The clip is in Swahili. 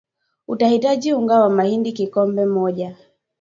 utahitaji Unga wa mahindi kikombe moja